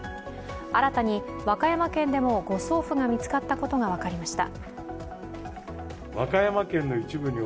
新たに和歌山県でも誤送付が見つかったことが分かりました。